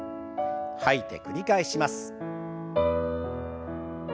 吐いて繰り返します。